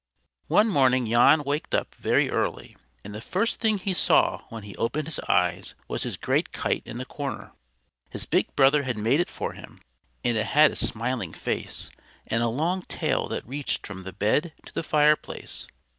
One morning Jan waked up very early, and the first thing he saw when he opened his eyes was his great kite in the corner. His big brother had made it for him; and it had a smiling face, and a long tail that reached from the bed to the fireplace.